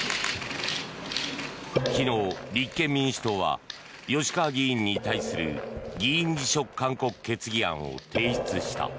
昨日、立憲民主党は吉川議員に対する議員辞職勧告決議案を提出した。